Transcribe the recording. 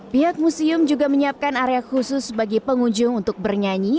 pihak museum juga menyiapkan area khusus bagi pengunjung untuk bernyanyi